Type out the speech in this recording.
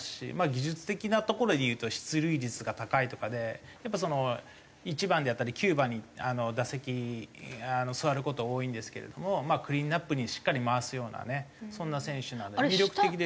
技術的なところでいうと出塁率が高いとかでやっぱ１番であったり９番に打席座る事多いんですけれどもクリーンアップにしっかり回すようなねそんな選手なので魅力的ですよ。